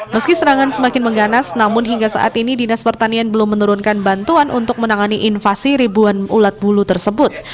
meski serangan semakin mengganas namun hingga saat ini dinas pertanian belum menurunkan bantuan untuk menangani invasi ribuan ulat bulu tersebut